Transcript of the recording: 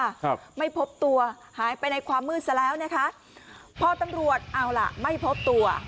ครับไม่พบตัวหายไปในความมืดซะแล้วนะคะพอตำรวจเอาล่ะไม่พบตัว